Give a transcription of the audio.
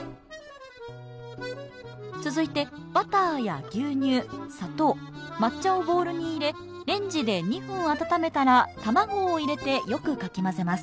続いてバターや牛乳砂糖抹茶をボウルに入れレンジで２分温めたら卵を入れてよくかき混ぜます。